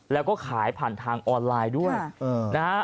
แล้วก็ขายผ่านทางออนไลน์ด้วยนะฮะ